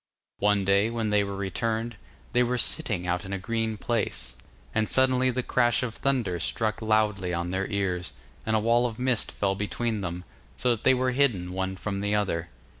One day, when they were returned, they were sitting out in a green place, and suddenly the crash of thunder struck loudly on their ears, and a wall of mist fell between them, so that they were hidden one from the other.